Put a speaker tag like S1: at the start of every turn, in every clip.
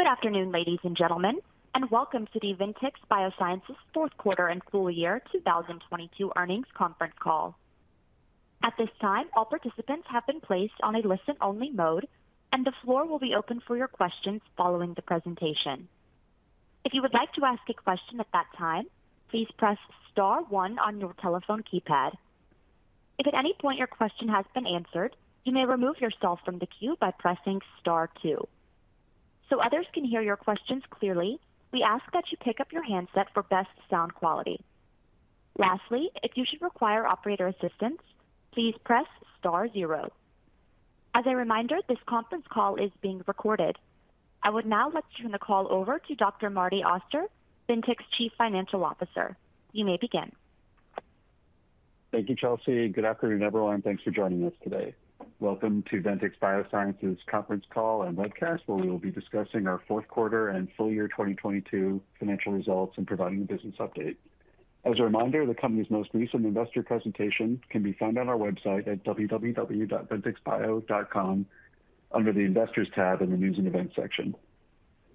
S1: Good afternoon, ladies and gentlemen, welcome to the Ventyx Biosciences fourth quarter and full year 2022 earnings conference call. At this time, all participants have been placed on a listen-only mode, the floor will be open for your questions following the presentation. If you would like to ask a question at that time, please press star one on your telephone keypad. If at any point your question has been answered, you may remove yourself from the queue by pressing star two. So others can hear your questions clearly, we ask that you pick up your handset for best sound quality. Lastly, if you should require operator assistance, please press star zero. As a reminder, this conference call is being recorded. I would now like to turn the call over to Dr. Marty Auster, Ventyx Chief Financial Officer. You may begin.
S2: Thank you, Chelsea. Good afternoon, everyone, and thanks for joining us today. Welcome to Ventyx Biosciences conference call and webcast, where we will be discussing our fourth quarter and full year 2022 financial results and providing a business update. As a reminder, the company's most recent investor presentation can be found on our website at www.ventyxbio.com under the Investors tab in the News & Events section.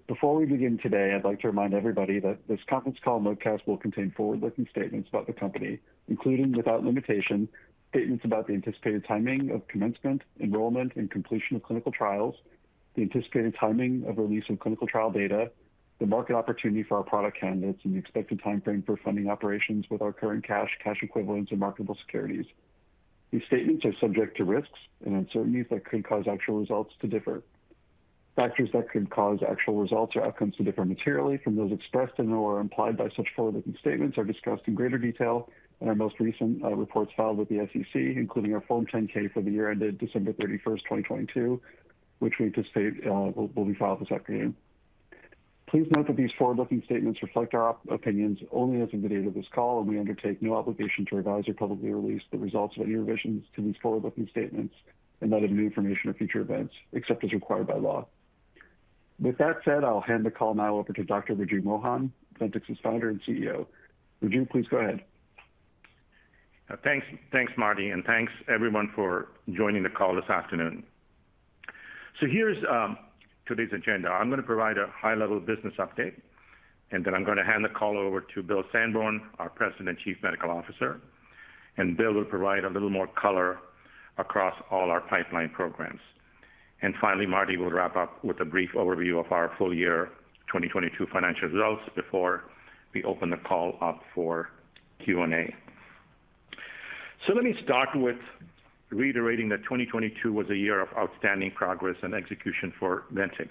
S2: Before we begin today, I'd like to remind everybody that this conference call and webcast will contain forward-looking statements about the company, including, without limitation, statements about the anticipated timing of commencement, enrollment, and completion of clinical trials, the anticipated timing of release of clinical trial data, the market opportunity for our product candidates, and the expected timeframe for funding operations with our current cash equivalents, and marketable securities. These statements are subject to risks and uncertainties that could cause actual results to differ. Factors that could cause actual results or outcomes to differ materially from those expressed and/or implied by such forward-looking statements are discussed in greater detail in our most recent reports filed with the SEC, including our Form 10-K for the year ended December 31, 2022, which we anticipate will be filed this afternoon. Please note that these forward-looking statements reflect our opinions only as of the date of this call, and we undertake no obligation to revise or publicly release the results of any revisions to these forward-looking statements, unless of new information or future events, except as required by law. With that said, I'll hand the call now over to Dr. Raju Mohan, Ventyx's Founder and CEO. Raju, please go ahead.
S3: Thanks, Marty, and thanks everyone for joining the call this afternoon. Here's today's agenda. I'm gonna provide a high-level business update, and then I'm gonna hand the call over to Bill Sandborn, our President and Chief Medical Officer, and Bill will provide a little more color across all our pipeline programs. Finally, Marty will wrap up with a brief overview of our full year 2022 financial results before we open the call up for Q&A. Let me start with reiterating that 2022 was a year of outstanding progress and execution for Ventyx.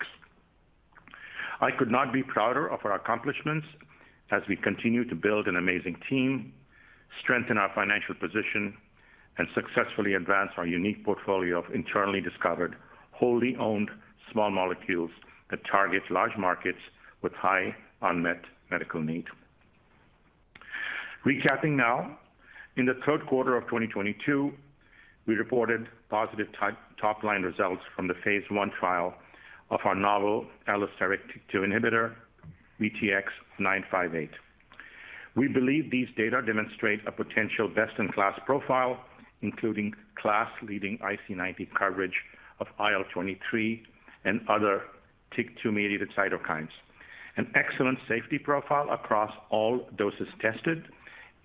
S3: I could not be prouder of our accomplishments as we continue to build an amazing team, strengthen our financial position, and successfully advance our unique portfolio of internally discovered, wholly owned small molecules that target large markets with high unmet medical need. Recapping now, in the third quarter of 2022, we reported positive top-line results from the phase I trial of our novel allosteric TYK2 inhibitor, VTX958. We believe these data demonstrate a potential best-in-class profile, including class-leading IC90 coverage of IL-23 and other TYK2-mediated cytokines. An excellent safety profile across all doses tested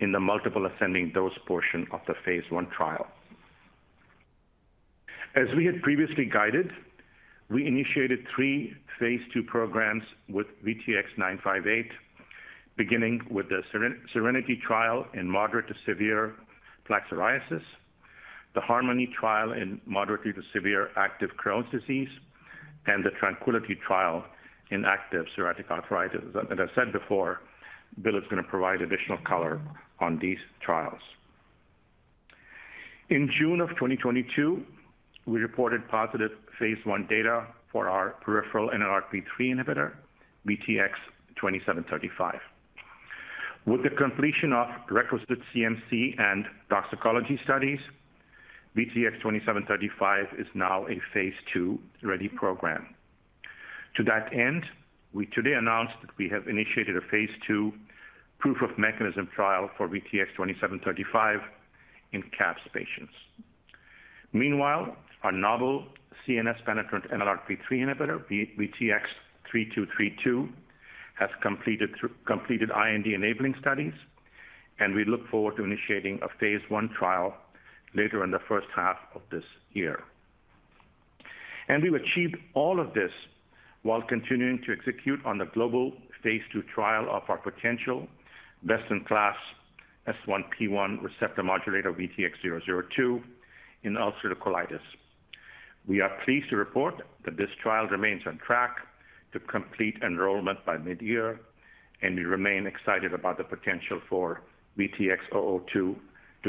S3: in the multiple ascending dose portion of the phase I trial. As we had previously guided, we initiated three phase II programs with VTX958, beginning with the SERENITY trial in moderate to severe plaque psoriasis, the HARMONY trial in moderately to severe active Crohn's disease, and the TRANQUILITY trial in active psoriatic arthritis. As I said before, Bill is gonna provide additional color on these trials. In June of 2022, we reported positive phase I data for our peripheral NLRP3 inhibitor, VTX2735. With the completion of requisite CMC and toxicology studies, VTX2735 is now a phase II-ready program. To that end, we today announced that we have initiated a phase II proof of mechanism trial for VTX2735 in CAPS patients. Meanwhile, our novel CNS penetrant NLRP3 inhibitor, VTX3232, has completed IND-enabling studies, and we look forward to initiating a phase I trial later in the first half of this year. We've achieved all of this while continuing to execute on the global phase II trial of our potential best-in-class S1P1 receptor modulator, VTX002, in ulcerative colitis. We are pleased to report that this trial remains on track to complete enrollment by mid-year, and we remain excited about the potential for VTX002 to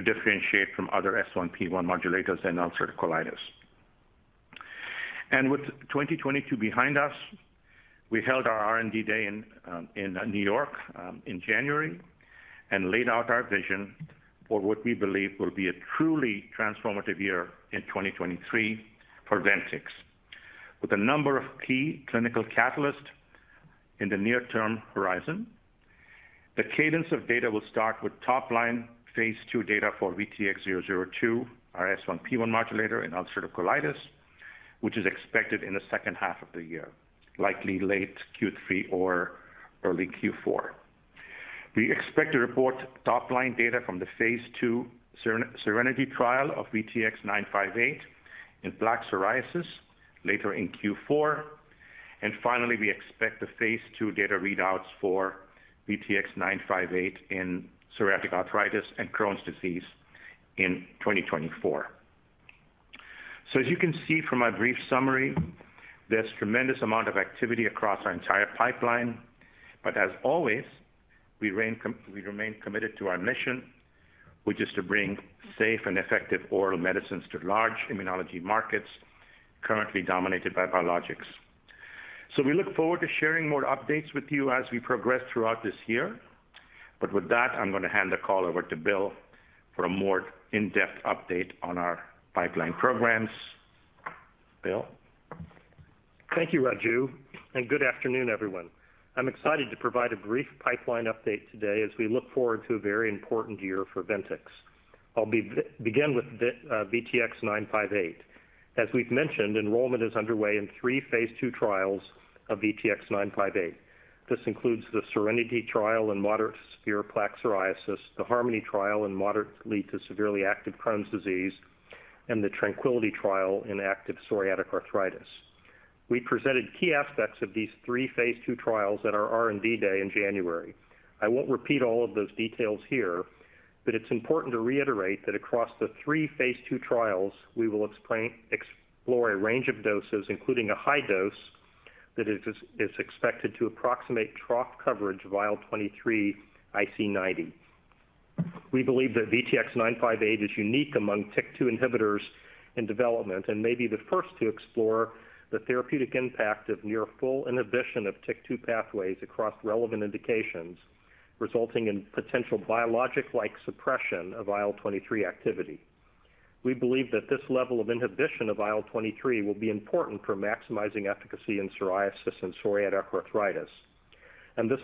S3: differentiate from other S1P1 modulators in ulcerative colitis. With 2022 behind us, we held our R&D Day in New York in January and laid out our vision for what we believe will be a truly transformative year in 2023 for Ventyx. With a number of key clinical catalysts in the near-term horizon. The cadence of data will start with top line phase II data for VTX002, our S1P1 modulator in ulcerative colitis, which is expected in the second half of the year, likely late Q3 or early Q4. We expect to report top line data from the phase II SERENITY trial of VTX958 in plaque psoriasis later in Q4. Finally, we expect the phase II data readouts for VTX958 in psoriatic arthritis and Crohn's disease in 2024. As you can see from my brief summary, there's tremendous amount of activity across our entire pipeline. As always, we remain committed to our mission, which is to bring safe and effective oral medicines to large immunology markets currently dominated by biologics. We look forward to sharing more updates with you as we progress throughout this year. With that, I'm gonna hand the call over to Bill for a more in-depth update on our pipeline programs. Bill?
S4: Thank you, Raju, and good afternoon, everyone. I'm excited to provide a brief pipeline update today as we look forward to a very important year for Ventyx. I'll begin with VTX958. As we've mentioned, enrollment is underway in three phase II trials of VTX958. This includes the SERENITY trial in moderate-to-severe plaque psoriasis, the HARMONY trial in moderately to severely active Crohn's disease, and the TRANQUILITY trial in active psoriatic arthritis. We presented key aspects of these three phase II trials at our R&D Day in January. I won't repeat all of those details here, but it's important to reiterate that across the three phase II trials, we will explore a range of doses, including a high dose that is expected to approximate trough coverage of IL-23 IC90. We believe that VTX958 is unique among TYK2 inhibitors in development and may be the first to explore the therapeutic impact of near full inhibition of TYK2 pathways across relevant indications, resulting in potential biologic-like suppression of IL-23 activity. We believe that this level of inhibition of IL-23 will be important for maximizing efficacy in psoriasis and psoriatic arthritis. This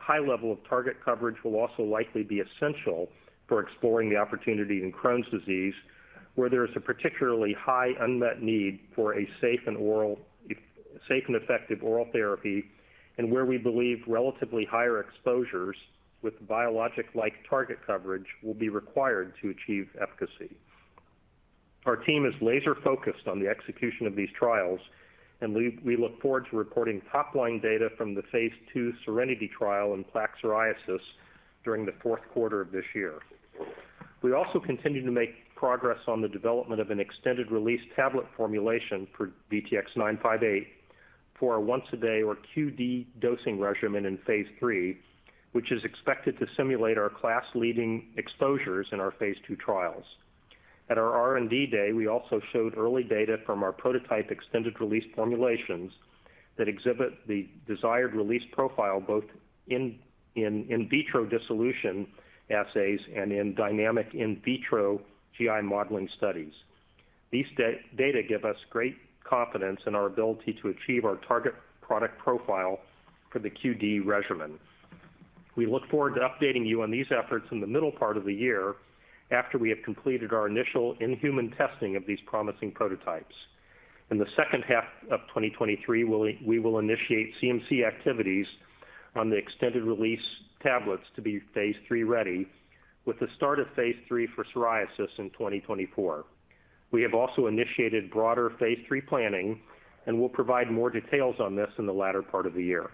S4: high level of target coverage will also likely be essential for exploring the opportunity in Crohn's disease, where there is a particularly high unmet need for a safe and effective oral therapy, and where we believe relatively higher exposures with biologic-like target coverage will be required to achieve efficacy. Our team is laser-focused on the execution of these trials, and we look forward to reporting top-line data from the phase II SERENITY trial in plaque psoriasis during the fourth quarter of this year. We also continue to make progress on the development of an extended-release tablet formulation for VTX958 for a once-a-day or QD dosing regimen in phase III, which is expected to simulate our class-leading exposures in our phase II trials. At our R&D Day, we also showed early data from our prototype extended-release formulations that exhibit the desired release profile, both in in-vitro dissolution assays and in dynamic in-vitro GI modeling studies. These data give us great confidence in our ability to achieve our target product profile for the QD regimen. We look forward to updating you on these efforts in the middle part of the year after we have completed our initial in-human testing of these promising prototypes. In the second half of 2023, we will initiate CMC activities on the extended-release tablets to be phase III-ready with the start of phase III for psoriasis in 2024. We have also initiated broader phase III planning and will provide more details on this in the latter part of the year.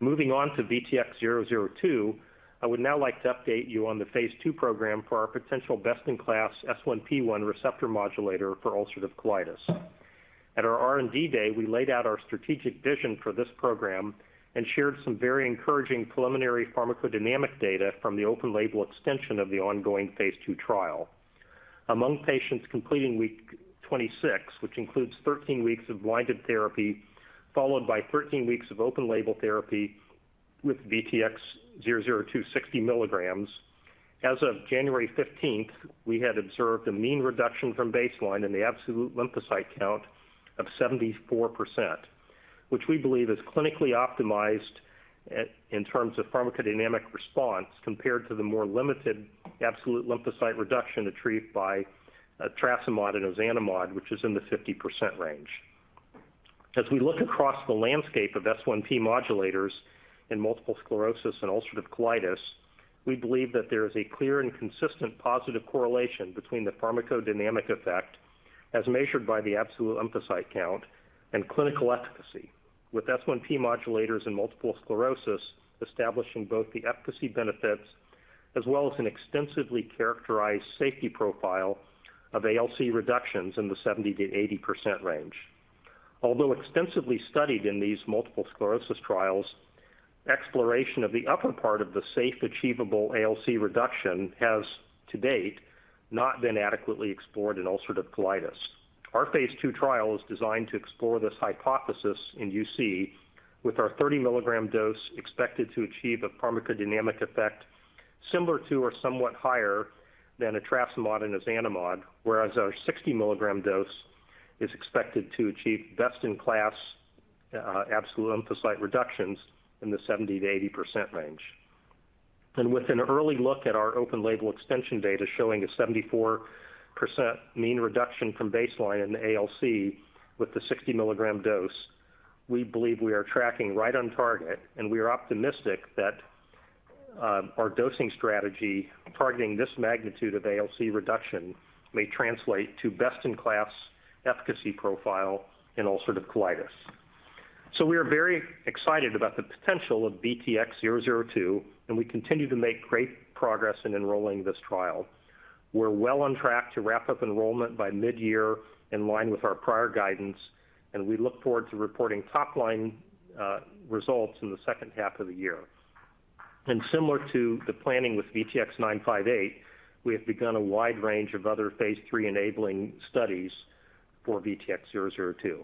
S4: Moving on to VTX002, I would now like to update you on the phase II program for our potential best-in-class S1P1 receptor modulator for ulcerative colitis. At our R&D Day, we laid out our strategic vision for this program and shared some very encouraging preliminary pharmacodynamic data from the open label extension of the ongoing phase II trial. Among patients completing week 26, which includes 13 weeks of blinded therapy, followed by 13 weeks of open label therapy with VTX002 60 mg. As of January 15th, we had observed a mean reduction from baseline in the absolute lymphocyte count of 74%, which we believe is clinically optimized at, in terms of pharmacodynamic response compared to the more limited absolute lymphocyte reduction achieved by etrasimod and ozanimod, which is in the 50% range. As we look across the landscape of S1P modulators in multiple sclerosis and ulcerative colitis, we believe that there is a clear and consistent positive correlation between the pharmacodynamic effect as measured by the absolute lymphocyte count and clinical efficacy. With S1P modulators in multiple sclerosis establishing both the efficacy benefits as well as an extensively characterized safety profile of ALC reductions in the 70%-80% range. Although extensively studied in these multiple sclerosis trials, exploration of the upper part of the safe, achievable ALC reduction has to date not been adequately explored in ulcerative colitis. Our phase II trial is designed to explore this hypothesis in UC with our 30-mg dose expected to achieve a pharmacodynamic effect similar to or somewhat higher than etrasimod and ozanimod, whereas our 60-mg dose is expected to achieve best-in-class absolute lymphocyte reductions in the 70%-80% range. With an early look at our open label extension data showing a 74% mean reduction from baseline in the ALC with the 60-mg dose, we believe we are tracking right on target, and we are optimistic that our dosing strategy targeting this magnitude of ALC reduction may translate to best-in-class efficacy profile in ulcerative colitis. We are very excited about the potential of VTX002, and we continue to make great progress in enrolling this trial. We're well on track to wrap up enrollment by mid-year in line with our prior guidance, and we look forward to reporting top line results in the second half of the year. Similar to the planning with VTX958, we have begun a wide range of other phase III-enabling studies for VTX002.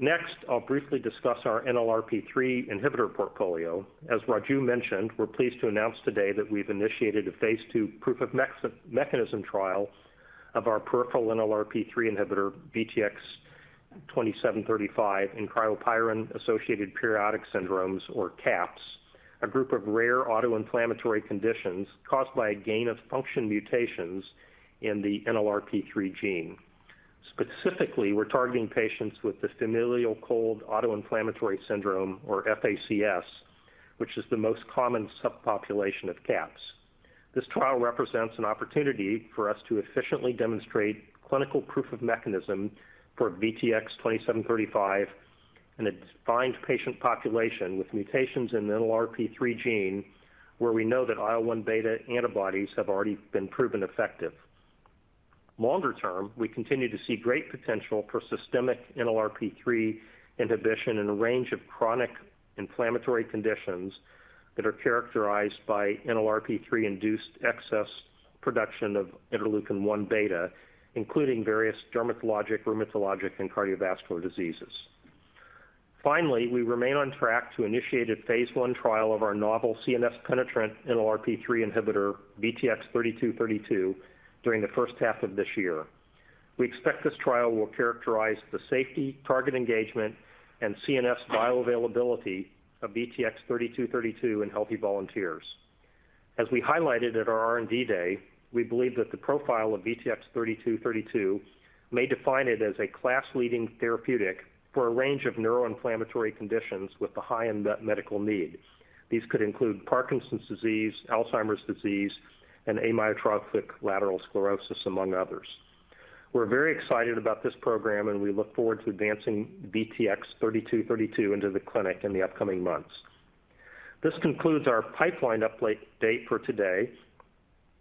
S4: Next, I'll briefly discuss our NLRP3 inhibitor portfolio. As Raju mentioned, we're pleased to announce today that we've initiated a phase II proof-of-mechanism trial of our peripheral NLRP3 inhibitor, VTX2735, in cryopyrin-associated periodic syndromes or CAPS, a group of rare autoinflammatory conditions caused by a gain of function mutations in the NLRP3 gene. Specifically, we're targeting patients with the familial cold autoinflammatory syndrome or FACS, which is the most common subpopulation of CAPS. This trial represents an opportunity for us to efficiently demonstrate clinical proof of mechanism for VTX2735 in a defined patient population with mutations in NLRP3 gene, where we know that IL-1 beta antibodies have already been proven effective. Longer term, we continue to see great potential for systemic NLRP3 inhibition in a range of chronic inflammatory conditions that are characterized by NLRP3-induced excess production of interleukin-1 beta, including various dermatologic, rheumatologic, and cardiovascular diseases. We remain on track to initiate a phase I trial of our novel CNS-penetrant NLRP3 inhibitor, VTX3232, during the first half of this year. We expect this trial will characterize the safety, target engagement, and CNS bioavailability of VTX3232 in healthy volunteers. As we highlighted at our R&D Day, we believe that the profile of VTX3232 may define it as a class-leading therapeutic for a range of neuroinflammatory conditions with a high unmet medical need. These could include Parkinson's disease, Alzheimer's disease, and amyotrophic lateral sclerosis, among others. We're very excited about this program, we look forward to advancing VTX3232 into the clinic in the upcoming months. This concludes our pipeline date for today.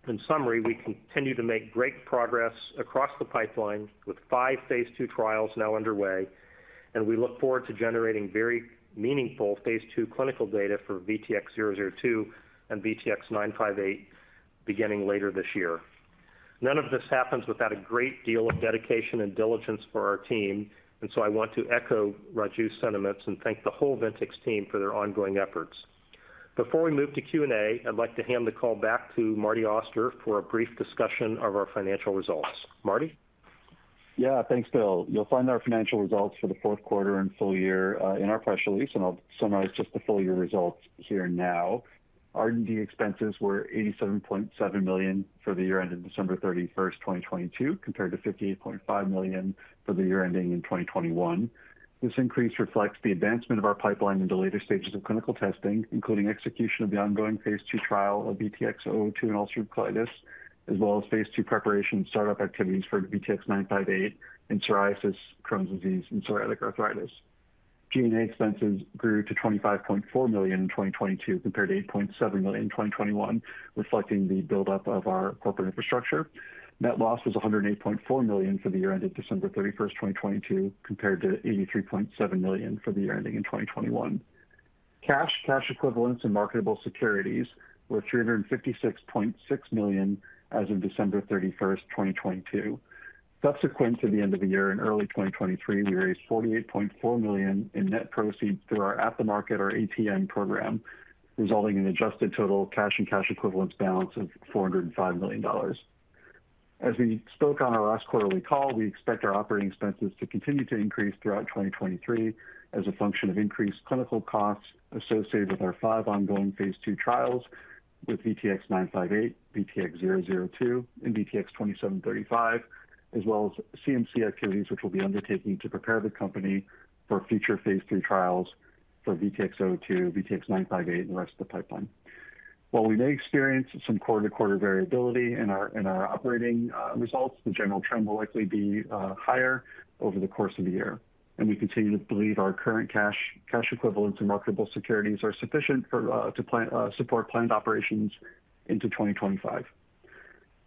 S4: In summary, we continue to make great progress across the pipeline with five phase II trials now underway. We look forward to generating very meaningful phase II clinical data for VTX002 and VTX958 beginning later this year. None of this happens without a great deal of dedication and diligence for our team. I want to echo Raju's sentiments and thank the whole Ventyx team for their ongoing efforts. Before we move to Q&A, I'd like to hand the call back to Marty Auster for a brief discussion of our financial results. Marty?
S2: Yeah. Thanks, Bill. You'll find our financial results for the fourth quarter and full year, in our press release, and I'll summarize just the full year results here now. R&D expenses were $87.7 million for the year ended December 31, 2022, compared to $58.5 million for the year ending in 2021. This increase reflects the advancement of our pipeline into later stages of clinical testing, including execution of the ongoing phase II trial of VTX002 in ulcerative colitis, as well as phase II preparation and startup activities for VTX958 in psoriasis, Crohn's disease, and psoriatic arthritis. G&A expenses grew to $25.4 million in 2022, compared to $8.7 million in 2021, reflecting the buildup of our corporate infrastructure. Net loss was $108.4 million for the year ended December 31st, 2022, compared to $83.7 million for the year ending in 2021. Cash, cash equivalents, and marketable securities were $356.6 million as of December 31st, 2022. Subsequent to the end of the year, in early 2023, we raised $48.4 million in net proceeds through our at-the-market or ATM program, resulting in adjusted total cash and cash equivalents balance of $405 million. As we spoke on our last quarterly call, we expect our operating expenses to continue to increase throughout 2023 as a function of increased clinical costs associated with our five ongoing phase II trials with VTX958, VTX002, and VTX2735, as well as CMC activities, which we'll be undertaking to prepare the company for future phase III trials for VTX002, VTX958, and the rest of the pipeline. While we may experience some quarter-to-quarter variability in our operating results, the general trend will likely be higher over the course of the year. We continue to believe our current cash equivalent to marketable securities are sufficient to plan support planned operations into 2025.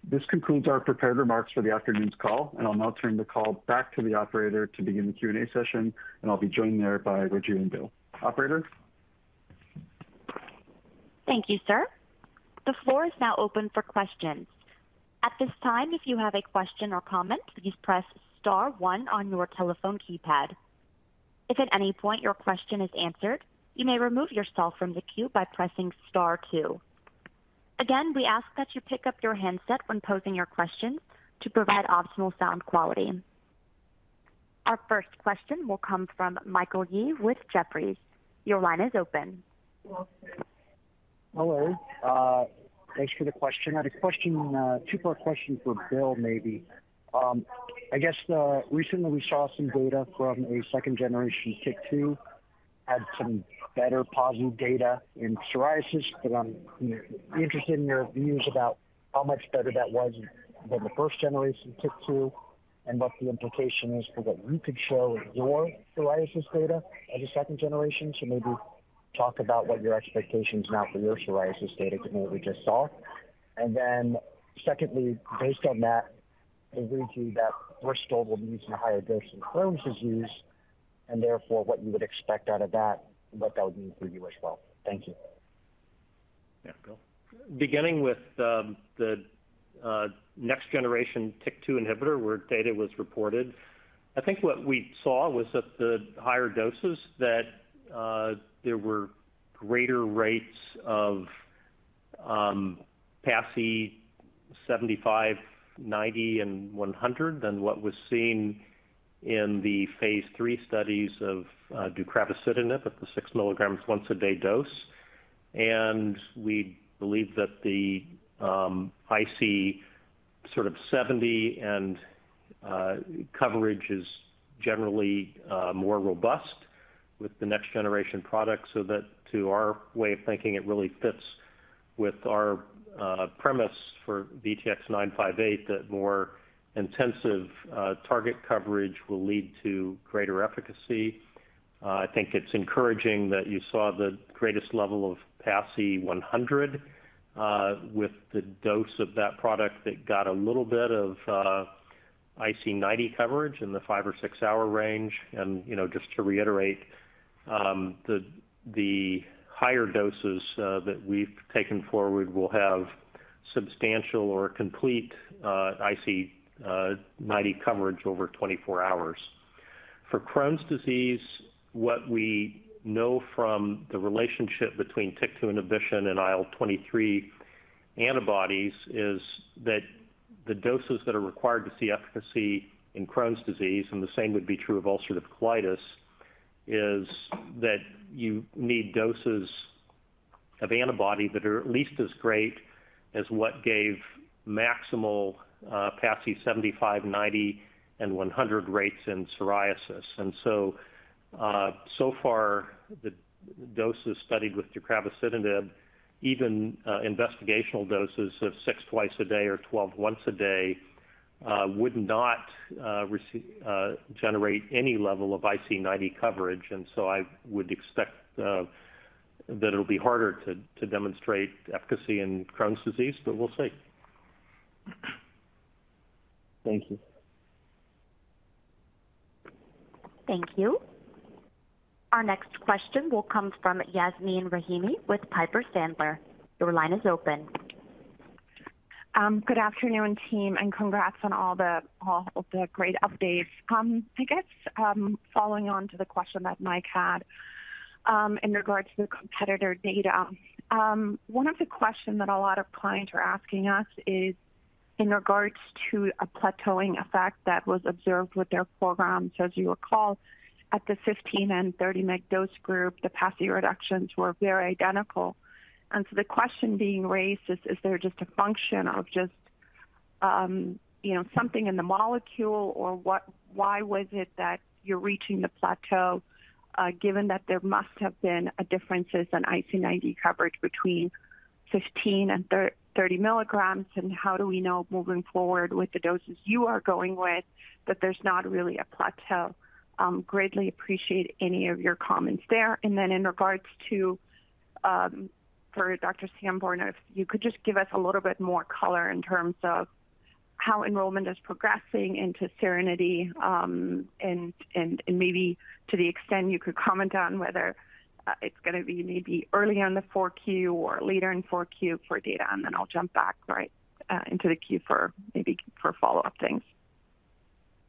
S2: This concludes our prepared remarks for the afternoon's call, and I'll now turn the call back to the operator to begin the Q&A session, and I'll be joined there by Raju and Bill. Operator?
S1: Thank you, sir. The floor is now open for questions. At this time, if you have a question or comment, please press star one on your telephone keypad. If at any point your question is answered, you may remove yourself from the queue by pressing star two. Again, we ask that you pick up your handset when posing your question to provide optimal sound quality. Our first question will come from Michael Yee with Jefferies. Your line is open.
S5: Hello. Thanks for the question. I had a question, two-part question for Bill, maybe. I guess, recently we saw some data from a second generation TYK2, had some better positive data in psoriasis, but I'm, you know, interested in your views about how much better that was than the first generation TYK2 and what the implication is for what you could show with your psoriasis data as a second generation. Maybe talk about what your expectations are for your psoriasis data compared to what we just saw. Secondly, based on that, agree to that first global use in a higher dose in Crohn's disease, and therefore what you would expect out of that and what that would mean for you as well. Thank you.
S3: Yeah. Bill.
S4: Beginning with the next generation TYK2 inhibitor where data was reported, I think what we saw was that the higher doses that there were greater rates of PASI 75, 90, and 100 than what was seen in the phase III studies of deucravacitinib at the 6 mg once a day dose. We believe that the IC sort of 70 coverage is generally more robust with the next generation product, so that to our way of thinking, it really fits with our premise for VTX958, that more intensive target coverage will lead to greater efficacy. I think it's encouraging that you saw the greatest level of PASI 100 with the dose of that product that got a little bit of IC90 coverage in the five- or six-hour range. You know, just to reiterate, the higher doses that we've taken forward will have substantial or complete IC90 coverage over 24 hours. For Crohn's disease, what we know from the relationship between TYK2 inhibition and IL-23 antibodies is that the doses that are required to see efficacy in Crohn's disease, and the same would be true of ulcerative colitis, is that you need doses of antibody that are at least as great as what gave maximal PASI 75, 90, and 100 rates in psoriasis. So far, the doses studied with deucravacitinib, even investigational doses of six twice a day or 12 once a day, would not generate any level of IC90 coverage. I would expect that it'll be harder to demonstrate efficacy in Crohn's disease, but we'll see.
S5: Thank you.
S1: Thank you. Our next question will come from Yasmeen Rahimi with Piper Sandler. Your line is open.
S6: Good afternoon, team, and congrats on all of the great updates. I guess, following on to the question that Mike had, in regards to the competitor data. One of the questions that a lot of clients are asking us is in regards to a plateauing effect that was observed with their programs. As you recall, at the 15-mg and 30-mg dose group, the PASI reductions were very identical. The question being raised is there just a function of just, you know, something in the molecule or why was it that you're reaching the plateau, given that there must have been differences in IC90 coverage between 15 mg and 30 mg? How do we know moving forward with the doses you are going with that there's not really a plateau? Greatly appreciate any of your comments there. In regards to, for Dr. Sandborn, if you could just give us a little bit more color in terms of how enrollment is progressing into SERENITY, and maybe to the extent you could comment on whether it's gonna be maybe early in the 4Q or later in 4Q for data. I'll jump back right into the queue for maybe for follow-up things.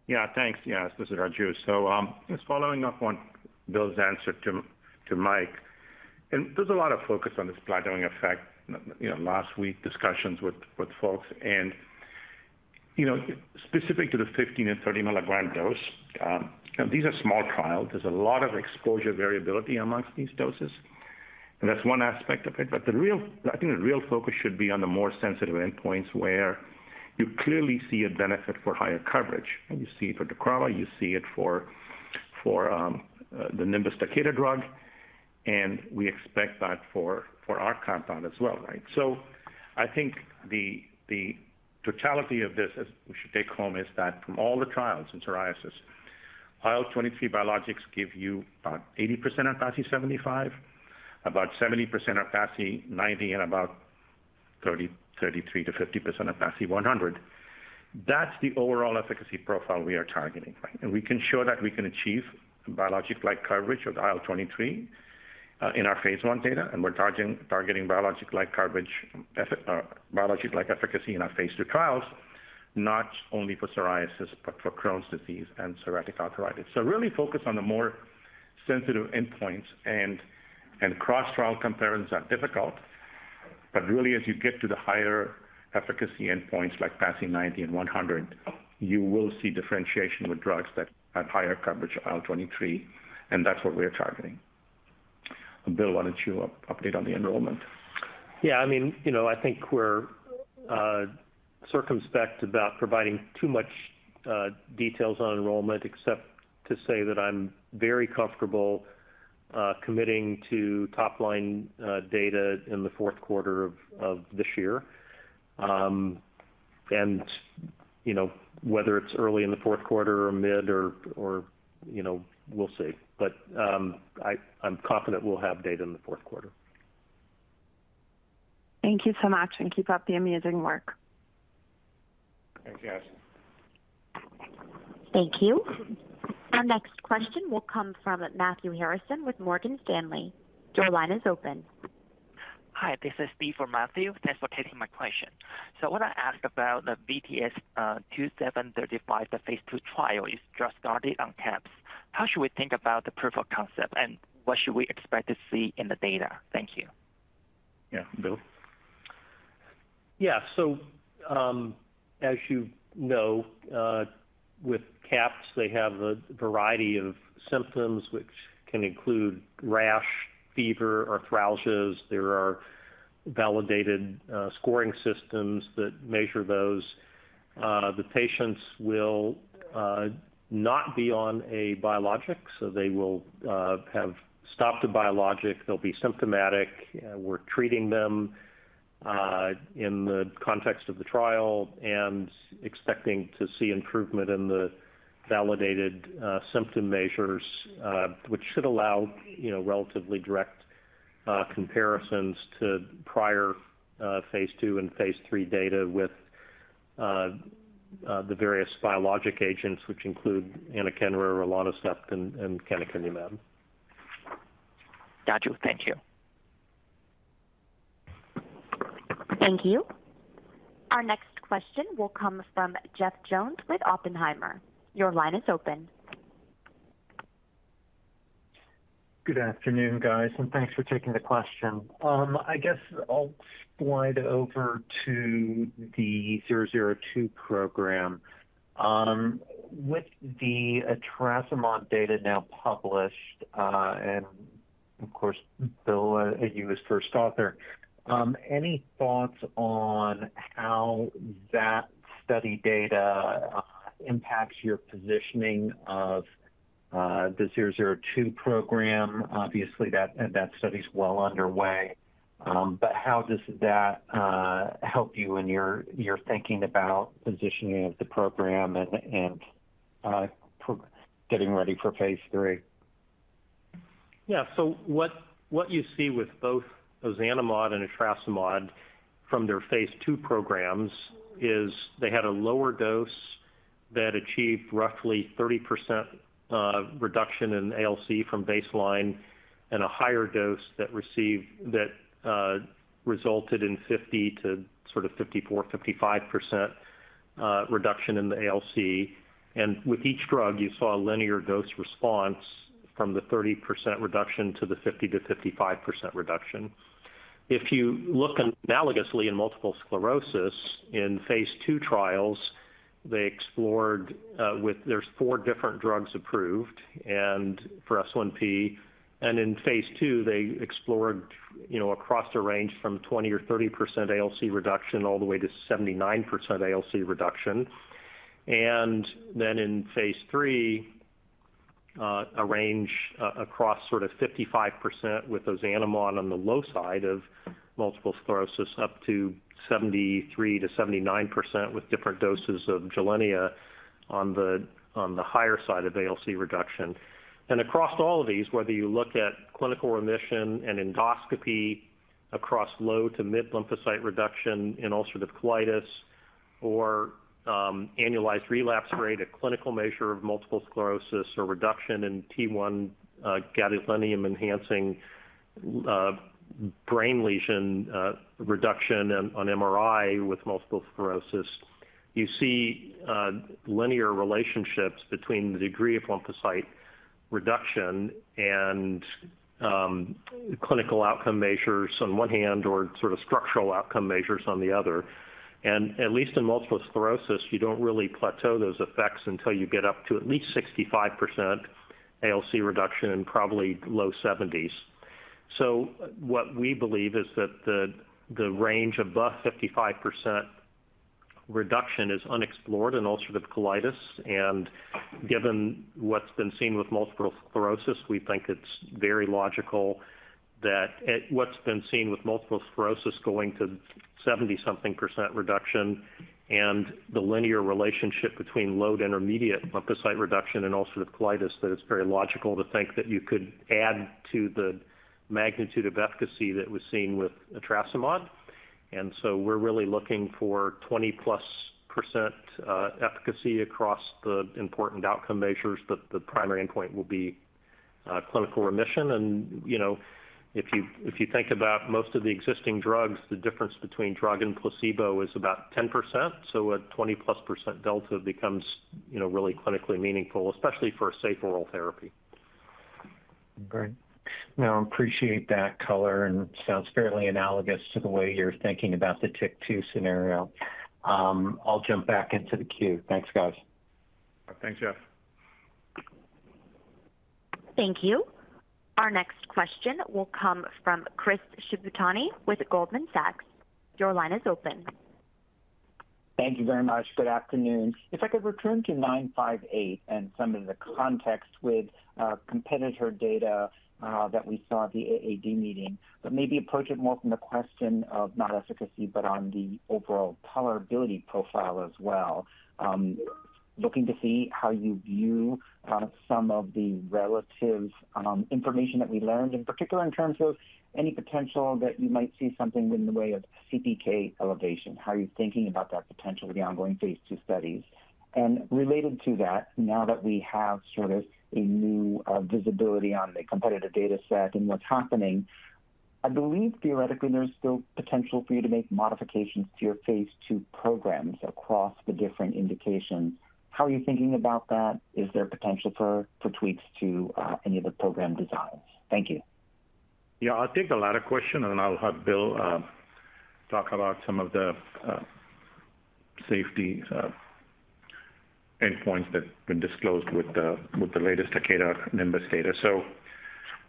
S3: This is Raju. Just following up on Bill's answer to Mike, there's a lot of focus on this plateauing effect, you know, last week discussions with folks. You know, specific to the 15 mg and 30 mg dose, these are small trials. There's a lot of exposure variability amongst these doses, and that's one aspect of it. I think the real focus should be on the more sensitive endpoints where you clearly see a benefit for higher coverage. You see it for Deucrava, you see it for the Nimbus Takeda drug, and we expect that for our compound as well, right? I think the totality of this, as we should take home, is that from all the trials in psoriasis, IL-23 biologics give you about 80% of PASI 75, about 70% of PASI 90, and about 33%-50% of PASI 100. That's the overall efficacy profile we are targeting. We can show that we can achieve biologic-like coverage of IL-23 in our phase I data, and we're targeting biologic-like efficacy in our phase II trials, not only for psoriasis, but for Crohn's disease and psoriatic arthritis. Really focus on the more sensitive endpoints and cross-trial comparisons are difficult. Really, as you get to the higher efficacy endpoints, like PASI 90 and 100, you will see differentiation with drugs that have higher coverage IL-23. That's what we're targeting. Bill, why don't you update on the enrollment?
S4: Yeah, I mean, you know, I think we're circumspect about providing too much details on enrollment except to say that I'm very comfortable committing to top-line data in the fourth quarter of this year. You know, whether it's early in the fourth quarter or mid or, you know, we'll see. I'm confident we'll have data in the fourth quarter.
S6: Thank you so much, and keep up the amazing work.
S3: Thanks, Yasmeen.
S1: Thank you. Our next question will come from Matthew Harrison with Morgan Stanley. Your line is open.
S7: Hi, this is Steve for Matthew. Thanks for taking my question. I wanna ask about the VTX2735, the phase II trial is just started on CAPS. How should we think about the proof of concept, and what should we expect to see in the data? Thank you.
S3: Yeah. Bill?
S4: As you know, with CAPS, they have a variety of symptoms which can include rash, fever, arthralgias. There are validated scoring systems that measure those. The patients will not be on a biologic, so they will have stopped a biologic. They'll be symptomatic. We're treating them in the context of the trial and expecting to see improvement in the validated symptom measures, which should allow, you know, relatively direct comparisons to prior phase II and phase III data with the various biologic agents, which include anakinra, rilonacept, and canakinumab.
S7: Got you. Thank you.
S1: Thank you. Our next question will come from Jeff Jones with Oppenheimer. Your line is open.
S8: Good afternoon, guys. Thanks for taking the question. I guess I'll slide over to the 002 program. With the etrasimod data now published, and of course, Bill, you as first author, any thoughts on how that study data impacts your positioning of the 002 program? Obviously, that study's well underway. How does that help you in your thinking about positioning of the program and getting ready for phase III?
S4: Yeah. What you see with both ozanimod and etrasimod from their phase II programs is they had a lower dose that achieved roughly 30% reduction in ALC from baseline and a higher dose that resulted in 50% to sort of 54%, 55% reduction in the ALC. With each drug, you saw a linear dose response from the 30% reduction to the 50%-55% reduction. If you look analogously in multiple sclerosis, in phase II trials, they explored. There's four different drugs approved for S1P. In phase II, they explored, you know, across a range from 20% or 30% ALC reduction all the way to 79% ALC reduction. In phase III, a range across sort of 55% with ozanimod on the low side of multiple sclerosis, up to 73%-79% with different doses of Gilenya on the higher side of ALC reduction. Across all of these, whether you look at clinical remission and endoscopy across low to mid lymphocyte reduction in ulcerative colitis or annualized relapse rate, a clinical measure of multiple sclerosis or reduction in T1 gadolinium-enhancing brain lesion reduction on MRI with multiple sclerosis, you see linear relationships between the degree of lymphocyte reduction and clinical outcome measures on one hand, or sort of structural outcome measures on the other. At least in multiple sclerosis, you don't really plateau those effects until you get up to at least 65% ALC reduction and probably low 70s. What we believe is that the range above 55% reduction is unexplored in ulcerative colitis. Given what's been seen with multiple sclerosis, we think it's very logical that what's been seen with multiple sclerosis going to 70-something percent and the linear relationship between low to intermediate lymphocyte reduction in ulcerative colitis, that it's very logical to think that you could add to the magnitude of efficacy that was seen with etrasimod. We're really looking for 20%+ efficacy across the important outcome measures, but the primary endpoint will be clinical remission. You know, if you, if you think about most of the existing drugs, the difference between drug and placebo is about 10%. A 20%+ delta becomes, you know, really clinically meaningful, especially for a safe oral therapy.
S8: Great. No, appreciate that color and sounds fairly analogous to the way you're thinking about the TYK2 scenario. I'll jump back into the queue. Thanks, guys.
S3: Thanks, Jeff.
S1: Thank you. Our next question will come from Chris Shibutani with Goldman Sachs. Your line is open.
S9: Thank you very much. Good afternoon. If I could return to 958 and some of the context with competitor data that we saw at the AAD meeting, maybe approach it more from the question of not efficacy, on the overall tolerability profile as well. Looking to see how you view some of the relative information that we learned, in particular in terms of any potential that you might see something in the way of CPK elevation, how you're thinking about that potential with the ongoing phase II studies. Related to that, now that we have sort of a new visibility on the competitive data set and what's happening, I believe theoretically there's still potential for you to make modifications to your phase II programs across the different indications. How are you thinking about that? Is there potential for tweaks to any of the program designs? Thank you.
S3: Yeah, I'll take the latter question, and then I'll have Bill talk about some of the safety endpoints that have been disclosed with the latest Takeda Nimbus data.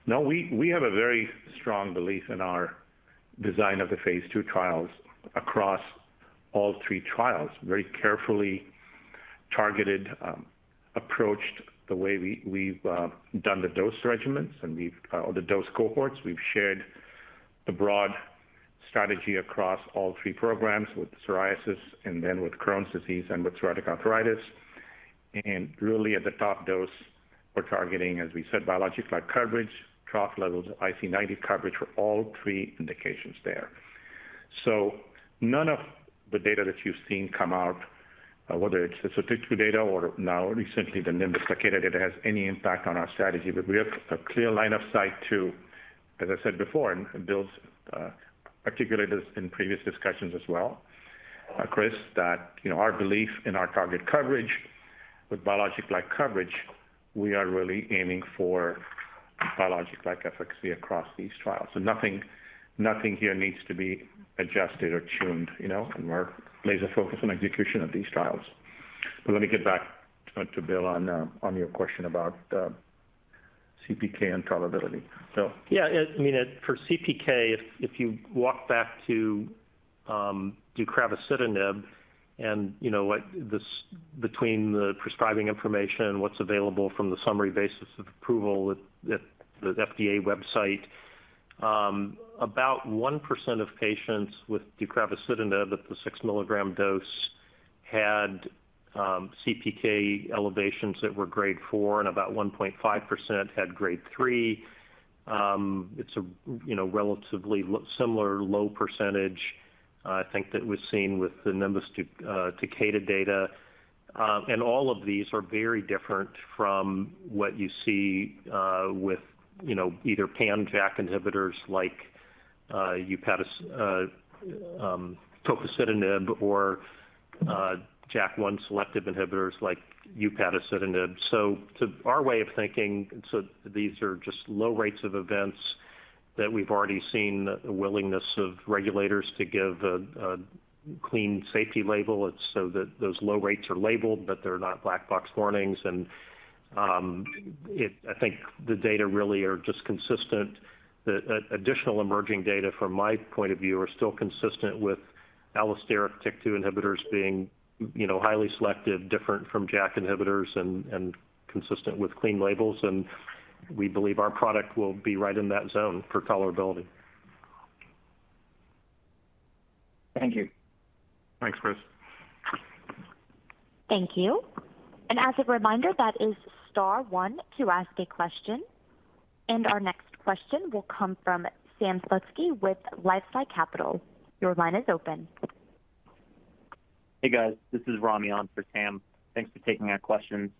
S3: No, we have a very strong belief in our design of the phase II trials across all three trials, very carefully targeted, approached the way we've done the dose regimens, and we've or the dose cohorts. We've shared the broad strategy across all three programs with psoriasis and then with Crohn's disease and with psoriatic arthritis. Really at the top dose we're targeting, as we said, biologic-like coverage, trough levels, IC90 coverage for all three indications there. None of the data that you've seen come out, whether it's the TYK2 data or now recently the Nimbus Takeda data, has any impact on our strategy. We have a clear line of sight to, as I said before, and Bill's articulated this in previous discussions as well, Chris, that, you know, our belief in our target coverage with biologic-like coverage, we are really aiming for biologic-like efficacy across these trials. Nothing here needs to be adjusted or tuned, you know, and we're laser-focused on execution of these trials. Let me get back to Bill on your question about CPK and tolerability.
S4: Yeah, I mean, for CPK, if you walk back to deucravacitinib and, you know, like the between the prescribing information, what's available from the summary basis of approval at the FDA website, about 1% of patients with deucravacitinib at the 6-mg dose had CPK elevations that were grade 4 and about 1.5% had grade 3. It's a, you know, relatively similar low percentage, I think that was seen with the Nimbus Takeda data. All of these are very different from what you see, with, you know, either pan-JAK inhibitors like tofacitinib or JAK1 selective inhibitors like upadacitinib. To our way of thinking, these are just low rates of events that we've already seen the willingness of regulators to give a clean safety label. It's that those low rates are labeled, but they're not black box warnings. I think the data really are just consistent. The additional emerging data from my point of view are still consistent with allosteric TYK2 inhibitors being, you know, highly selective, different from JAK inhibitors and consistent with clean labels, and we believe our product will be right in that zone for tolerability.
S9: Thank you.
S3: Thanks, Chris.
S1: Thank you. As a reminder, that is star one to ask a question. Our next question will come from Sam Slutsky with LifeSci Capital. Your line is open.
S10: Hey, guys. This is Rami on for Sam. Thanks for taking our questions.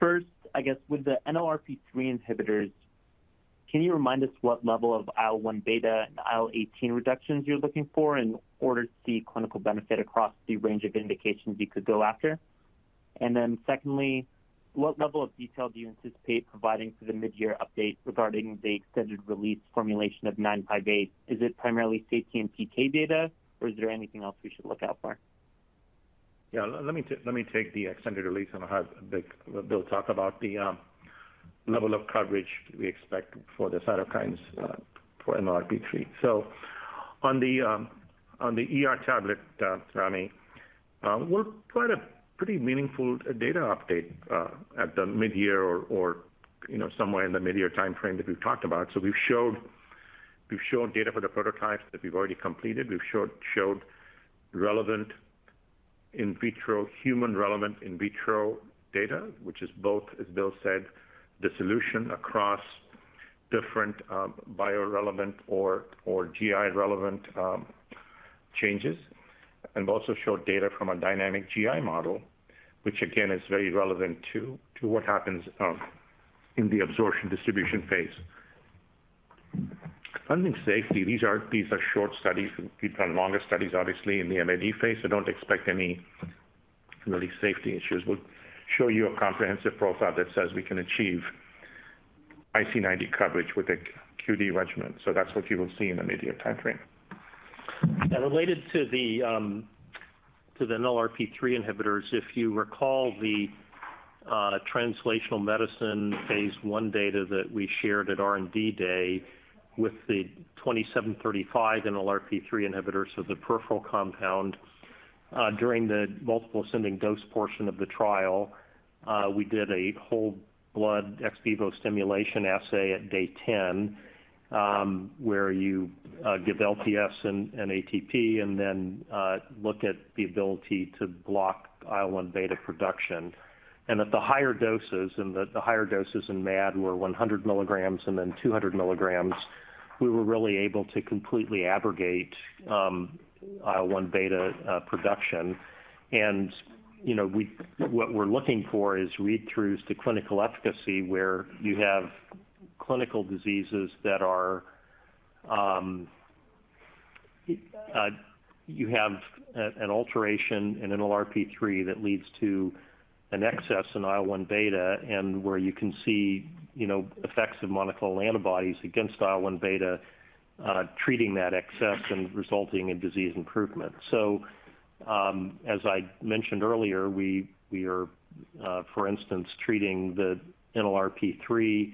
S10: First, I guess with the NLRP3 inhibitors, can you remind us what level of IL-1 beta and IL-18 reductions you're looking for in order to see clinical benefit across the range of indications you could go after? Secondly, what level of detail do you anticipate providing for the mid-year update regarding the extended-release formulation of 958? Is it primarily safety and PK data, or is there anything else we should look out for?
S3: Yeah. Let me take, let me take the extended release, and I'll have Bill talk about the level of coverage we expect for the cytokines for NLRP3. On the ER tablet, Rami, we'll provide a pretty meaningful data update at the mid-year or, you know, somewhere in the mid-year timeframe that we've talked about. We've showed data for the prototypes that we've already completed. We've showed relevant in-vitro, human-relevant in-vitro data, which is both, as Bill said, dissolution across different bio-relevant or GI relevant changes. We've also showed data from a dynamic GI model, which again is very relevant to what happens in the absorption distribution phase. I mean, safety, these are short studies. We've done longer studies, obviously, in the MID phase, so don't expect any really safety issues. We'll show you a comprehensive profile that says we can achieve IC90 coverage with a QD regimen. That's what you will see in the immediate timeframe.
S4: Related to the NLRP3 inhibitors, if you recall the translational medicine phase I data that we shared at R&D Day with the 2735 NLRP3 inhibitors, so the peripheral compound during the multiple ascending dose portion of the trial, we did a whole blood ex vivo stimulation assay at day 10, where you give LPS and ATP and then look at the ability to block IL-1beta production. At the higher doses, the higher doses in MAD were 100 mg and then 200 mg, we were really able to completely abrogate IL-1beta production. You know, what we're looking for is read-throughs to clinical efficacy where you have clinical diseases that are, you have a, an alteration in NLRP3 that leads to an excess in IL-1beta, where you can see, you know, effects of monoclonal antibodies against IL-1beta, treating that excess and resulting in disease improvement. as I mentioned earlier, we are, for instance, treating the NLRP3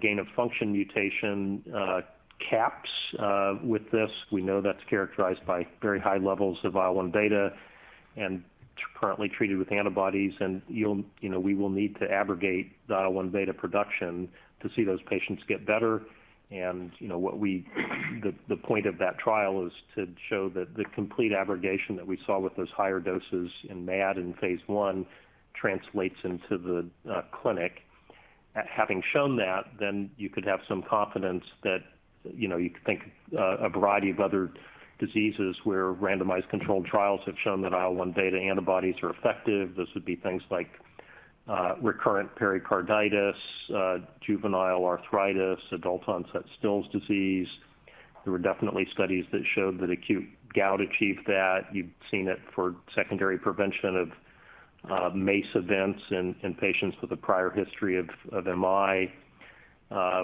S4: gain-of-function mutation, CAPS, with this. We know that's characterized by very high levels of IL-1beta and it's currently treated with antibodies. you'll, you know, we will need to abrogate the IL-1beta production to see those patients get better. you know, the point of that trial is to show that the complete abrogation that we saw with those higher doses in MAD in phase I translates into the clinic. Having shown that, then you could have some confidence that, you know, you could think a variety of other diseases where randomized controlled trials have shown that IL-1beta antibodies are effective. This would be things like recurrent pericarditis, juvenile arthritis, adult-onset Still's disease. There were definitely studies that showed that acute gout achieved that. You've seen it for secondary prevention of MACE events in patients with a prior history of MI.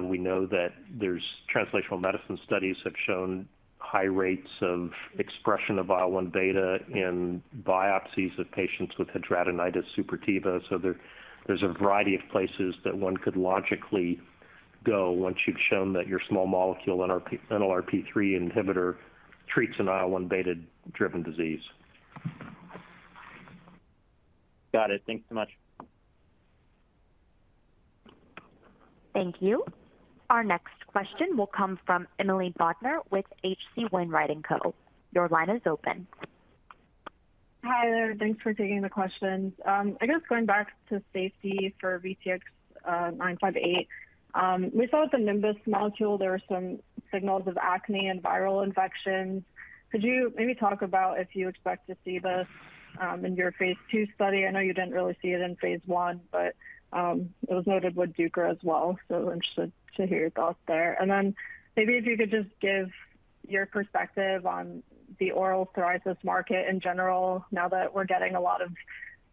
S4: We know that there's translational medicine studies have shown high rates of expression of IL-1beta in biopsies of patients with hidradenitis suppurativa. There's a variety of places that one could logically go once you've shown that your small molecule NLRP3 inhibitor treats an IL-1beta-driven disease.
S10: Got it. Thanks so much.
S1: Thank you. Our next question will come from Emily Bodnar with H.C. Wainwright & Co. Your line is open.
S11: Hi there. Thanks for taking the questions. I guess going back to safety for VTX958. We saw with the Nimbus molecule there were some signals of acne and viral infections. Could you maybe talk about if you expect to see this in your phase II study? I know you didn't really see it in phase I, but it was noted with Deucra as well. Interested to hear your thoughts there. Maybe if you could just give your perspective on the oral psoriasis market in general now that we're getting a lot of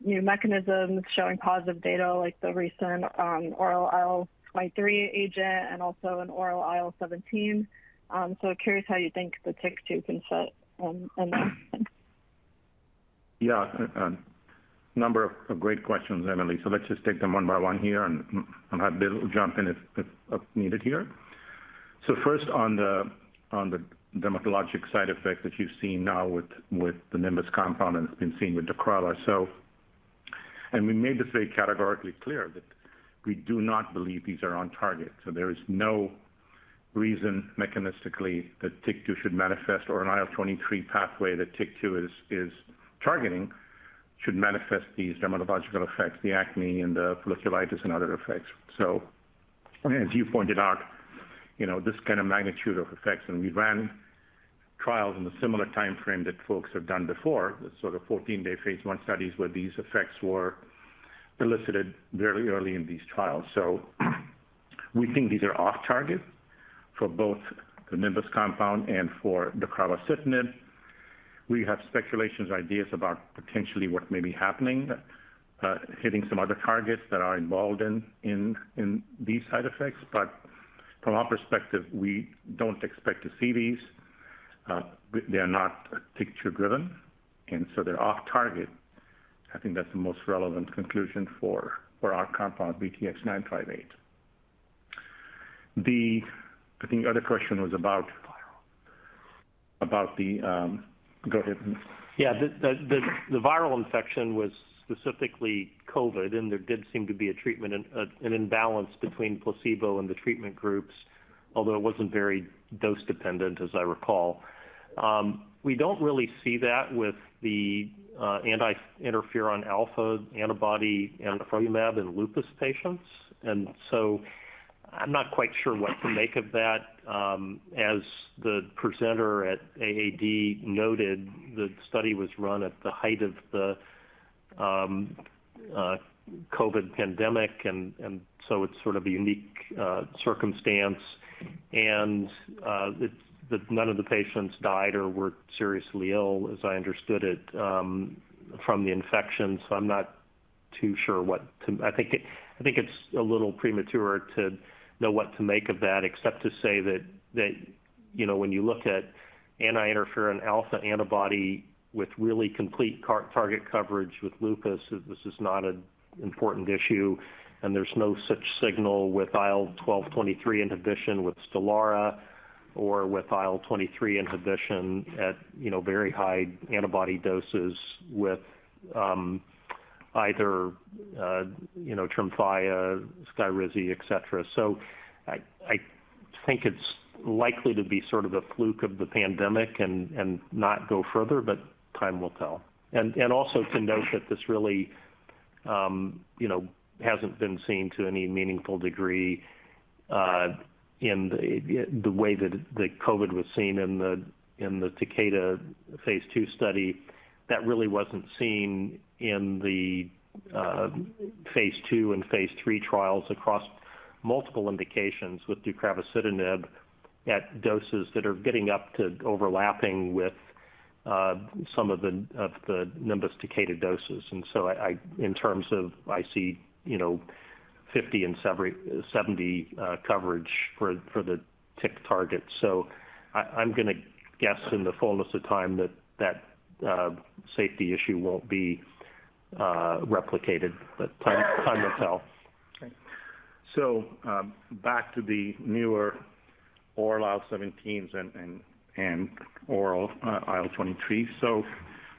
S11: new mechanisms showing positive data like the recent oral IL-23 agent and also an oral IL-17. Curious how you think the TYK2 can fit in that.
S3: Yeah. A number of great questions, Emily. Let's just take them one by one here and I'll have Bill jump in if needed here. First on the dermatologic side effects that you've seen now with the Nimbus compound and it's been seen with Deucrava. And we made this very categorically clear that we do not believe these are on target. There is no reason mechanistically that TYK2 should manifest or an IL-23 pathway that TYK2 is targeting should manifest these dermatological effects, the acne and the folliculitis and other effects. As you pointed out, you know, this kind of magnitude of effects, and we ran trials in a similar timeframe that folks have done before, the sort of 14-day phase I studies where these effects were elicited very early in these trials. We think these are off target for both the Nimbus compound and for the deucravacitinib. We have speculations, ideas about potentially what may be happening, hitting some other targets that are involved in these side effects. From our perspective, we don't expect to see these. They are not TYK2-driven, and so they're off target. I think that's the most relevant conclusion for our compound, VTX958. I think the other question was about.
S4: Viral.
S3: About the— Go ahead.
S4: Yeah. The viral infection was specifically COVID, and there did seem to be a treatment an imbalance between placebo and the treatment groups, although it wasn't very dose-dependent, as I recall. We don't really see that with the anti-interferon alpha antibody anifrolumab in lupus patients. I'm not quite sure what to make of that. As the presenter at AAD noted, the study was run at the height of the COVID pandemic and so it's sort of a unique circumstance. None of the patients died or were seriously ill, as I understood it, from the infection. I'm not too sure what to... I think it's a little premature to know what to make of that, except to say that, you know, when you look at anti-interferon alpha antibody with really complete target coverage with lupus, this is not an important issue. There's no such signal with IL-12/23 inhibition with STELARA or with IL-23 inhibition at, you know, very high antibody doses with either, you know, TREMFYA, SKYRIZI, et cetera. I think it's likely to be sort of a fluke of the pandemic and not go further, but time will tell. Also to note that this really, you know, hasn't been seen to any meaningful degree in the way that COVID was seen in the Takeda phase II study. That really wasn't seen in the phase II and phase III trials across multiple indications with deucravacitinib at doses that are getting up to overlapping with some of the Nimbus Takeda doses. I in terms of I see, you know, 50 and 70 coverage for the TYK2 target. I'm gonna guess in the fullness of time that that safety issue won't be replicated, time will tell.
S3: Back to the newer oral IL-17s and oral IL-23s.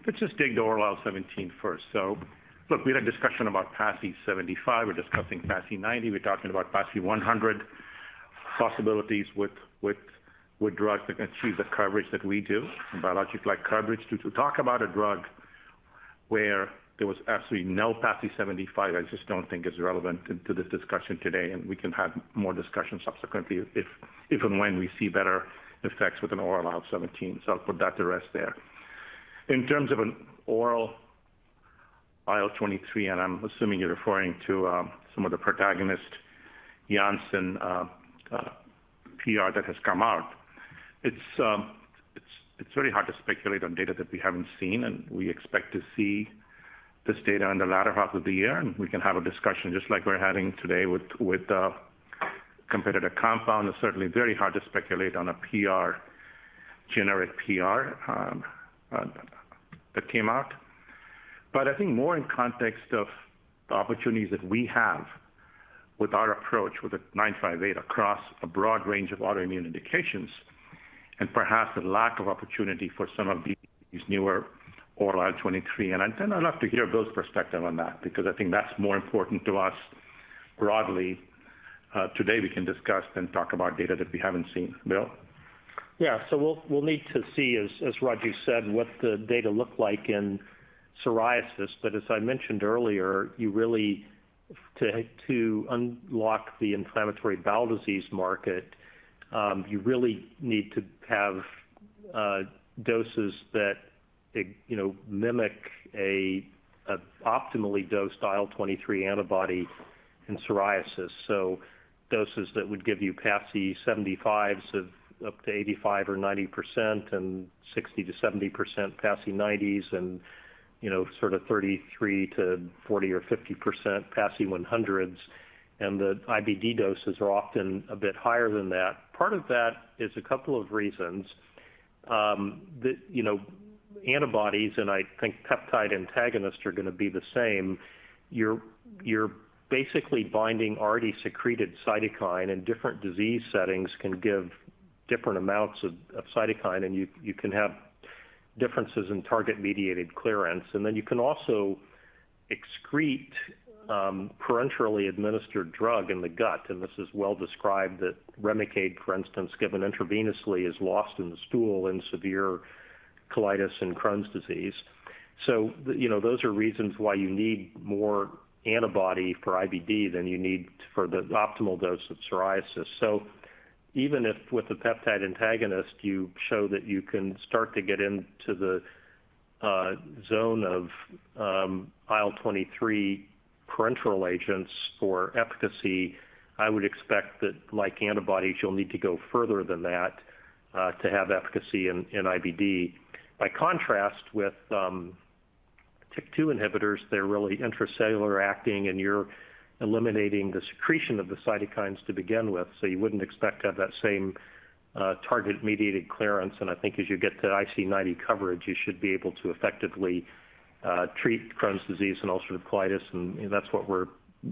S3: Let's just dig the oral IL-17 first. Look, we had a discussion about PASI 75. We're discussing PASI 90. We're talking about PASI 100 possibilities with drugs that can achieve the coverage that we do in biologic-like coverage. To talk about a drug where there was absolutely no PASI 75, I just don't think is relevant to this discussion today, and we can have more discussion subsequently if and when we see better effects with an oral IL-17. I'll put that to rest there. In terms of an oral IL-23, and I'm assuming you're referring to some of the Protagonist Janssen PR that has come out. It's really hard to speculate on data that we haven't seen. We expect to see this data in the latter half of the year, and we can have a discussion just like we're having today with a competitor compound. It's certainly very hard to speculate on a PR, generic PR that came out. I think more in context of the opportunities that we have with our approach with 958 across a broad range of autoimmune indications and perhaps the lack of opportunity for some of these newer oral IL-23. I'd love to hear Bill's perspective on that because I think that's more important to us broadly. Today we can discuss and talk about data that we haven't seen. Bill?
S4: Yeah. We'll need to see, as Raju said, what the data look like in psoriasis. As I mentioned earlier, you really— To unlock the inflammatory bowel disease market, you really need to have doses that, you know, mimic an optimally-dosed IL-23 antibody in psoriasis. Doses that would give you PASI 75s of up to 85% or 90% and 60%-70% PASI 90s and, you know, sort of 33%-40% or 50% PASI 100s, and the IBD doses are often a bit higher than that. Part of that is a couple of reasons. The, you know, antibodies, and I think peptide antagonists are gonna be the same. You're basically binding already secreted cytokine, and different disease settings can give different amounts of cytokine, and you can have differences in target-mediated clearance. You can also excrete parenterally administered drug in the gut. This is well described that REMICADE, for instance, given intravenously, is lost in the stool in severe colitis and Crohn's disease. You know, those are reasons why you need more antibody for IBD than you need for the optimal dose of psoriasis. Even if with the peptide antagonist, you show that you can start to get into the zone of IL-23 parenteral agents for efficacy, I would expect that like antibodies, you'll need to go further than that to have efficacy in IBD. By contrast with TYK2 inhibitors, they're really intracellular-acting, and you're eliminating the secretion of the cytokines to begin with. You wouldn't expect to have that same target-mediated clearance. I think as you get to IC90 coverage, you should be able to effectively treat Crohn's disease and ulcerative colitis. That's what we're,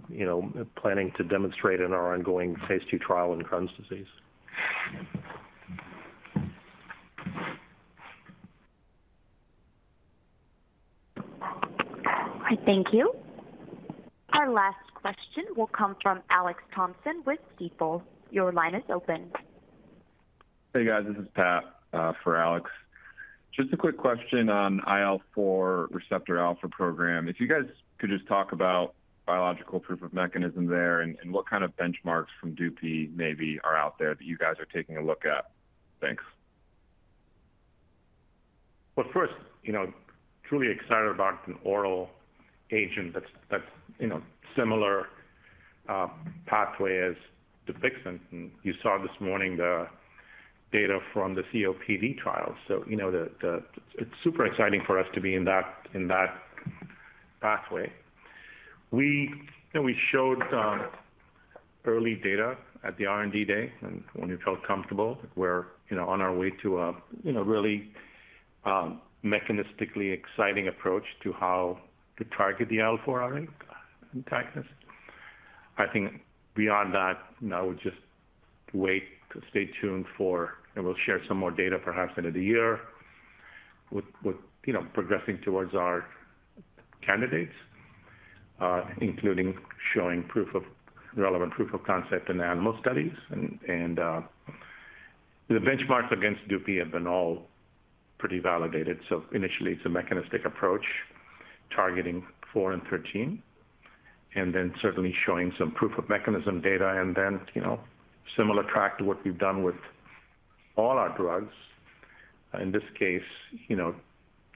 S4: you know, planning to demonstrate in our ongoing phase II trial in Crohn's disease.
S1: Thank you. Our last question will come from Alex Thompson with Stifel. Your line is open.
S12: Hey, guys. This is Pat for Alex. Just a quick question on IL-4 receptor alpha program. If you guys could just talk about biological proof-of-mechanism there and what kind of benchmarks from Dupi maybe are out there that you guys are taking a look at. Thanks.
S3: Well, first, you know, truly excited about an oral agent that's, you know, similar pathway as DUPIXENT. You saw this morning the data from the COPD trial. You know, it's super exciting for us to be in that pathway. We, you know, we showed early data at the R&D Day and when we felt comfortable, we're, you know, on our way to a, you know, really mechanistically exciting approach to how to target the IL-4RA antagonist. I think beyond that, you know, we just wait to stay tuned for. We'll share some more data perhaps end of the year with, you know, progressing towards our candidates, including showing proof of— relevant proof of concept in animal studies. And the benchmarks against Dupi have been all pretty validated. Initially it's a mechanistic approach targeting four and thirteen, and then certainly showing some proof-of-mechanism data and then, you know, similar track to what we've done with all our drugs. In this case, you know,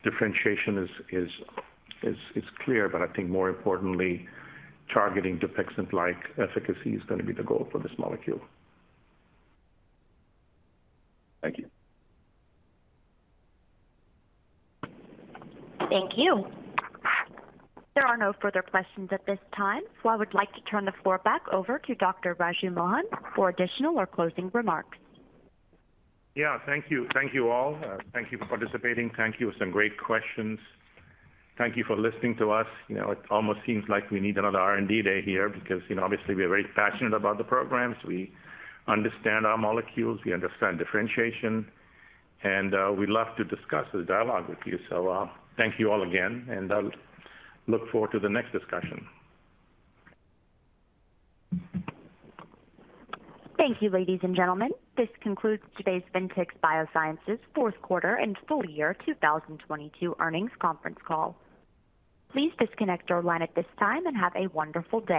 S3: differentiation is clear. I think more importantly, targeting DUPIXENT-like efficacy is gonna be the goal for this molecule.
S12: Thank you.
S1: Thank you. There are no further questions at this time. I would like to turn the floor back over to Dr. Raju Mohan for additional or closing remarks.
S3: Yeah, thank you. Thank you all. Thank you for participating. Thank you. Some great questions. Thank you for listening to us. You know, it almost seems like we need another R&D Day here because, you know, obviously we are very passionate about the programs. We understand our molecules, we understand differentiation, and, we love to discuss the dialogue with you. Thank you all again, and I'll look forward to the next discussion.
S1: Thank you, ladies and gentlemen. This concludes today's Ventyx Biosciences fourth quarter and full year 2022 earnings conference call. Please disconnect your line at this time and have a wonderful day.